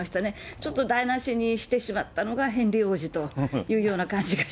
ちょっと台なしにしてしまったのがヘンリー王子というような感じ